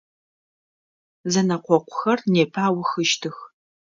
Зэнэкъокъухэр непэ аухыщтых.